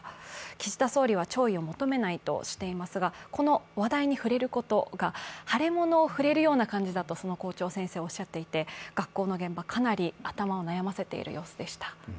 岸田総理は弔意を求めないとしていますが、この話題に触れることが腫れものを触れるような感じだとその校長先生はおっしゃっていて学校の現場はかなり頭を悩ませている様子でした。